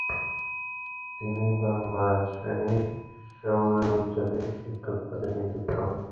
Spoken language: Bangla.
তিনি বাংলা শ্রেণীর শবব্যবচ্ছেদের শিক্ষক পদে নিযুক্ত হন।